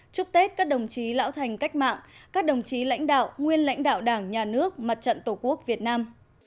chúc tết các đồng chí lão thành cách mạng các đồng chí lãnh đạo nguyên lãnh đạo đảng nhà nước mặt trận tổ quốc việt nam